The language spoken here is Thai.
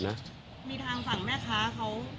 นะทางฝั่งแม่ค้าเค้า